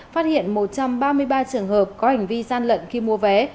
phát hiện một trăm ba mươi ba trường hợp có hành vi gian lận khi mua vé